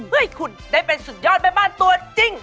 เฮ้ยคุณได้เป็นสุดยอดแม่บ้านตัวจริง